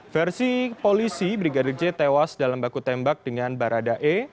versi polisi brigadir j tewas dalam baku tembak dengan baradae